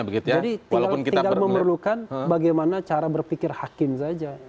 jadi tinggal memerlukan bagaimana cara berpikir hakim saja